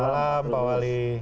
selamat malam pak wali